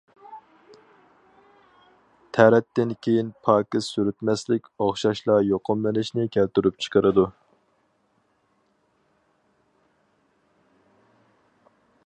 تەرەتتىن كىيىن پاكىز سۈرتمەسلىك ئوخشاشلا يۇقۇملىنىشنى كەلتۈرۈپ چىقىرىدۇ.